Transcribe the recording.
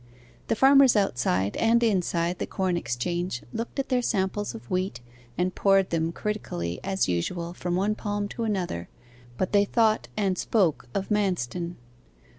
The farmers outside and inside the corn exchange looked at their samples of wheat, and poured them critically as usual from one palm to another, but they thought and spoke of Manston.